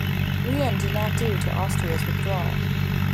Lyon did not due to Austria's withdrawal.